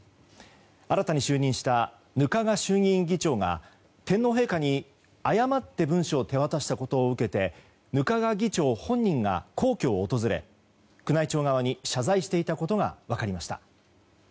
新たに就任した額賀衆議院議長が天皇陛下に誤って文書を手渡したことを受けて額賀議長本人が皇居を訪れ宮内庁側に謝罪していたことが分かりました。